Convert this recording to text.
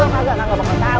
alamak alamak gak bakal tau